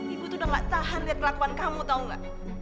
ibu tuh udah gak tahan lihat kelakuan kamu tau gak